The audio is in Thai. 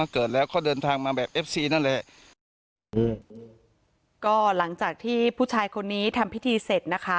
เกิดแล้วเขาเดินทางมาแบบเอฟซีนั่นแหละอืมก็หลังจากที่ผู้ชายคนนี้ทำพิธีเสร็จนะคะ